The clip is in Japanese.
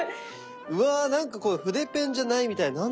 うわ何かこれ筆ペンじゃないみたい。